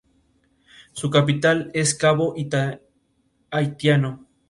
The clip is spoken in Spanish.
Siria, Irak y Jordania rechazaron la resolución.